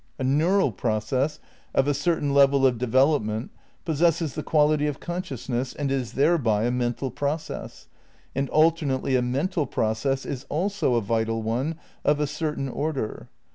' "A neural process of a certain level of development possesses the quality of consciousness and is thereby a mental process, and alter nately a mental process is also a vital one of a certain order."